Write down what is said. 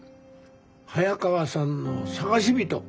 早川さんの探し人。